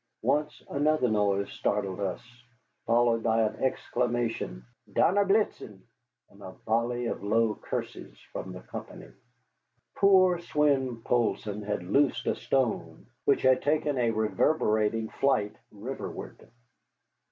Once another noise startled us, followed by an exclamation, "Donnerblitzen" and a volley of low curses from the company. Poor Swein Poulsson had loosed a stone, which had taken a reverberating flight riverward.